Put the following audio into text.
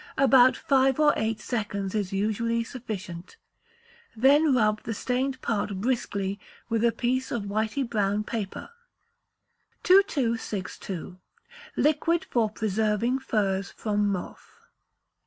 About five or eight seconds is usually sufficient. Then rub the stained part briskly with a piece of whity brown paper. 2262. Liquid for Preserving Furs from Moth.